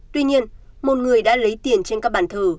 tuy nhiên một người đã lấy tiền trên các bàn thờ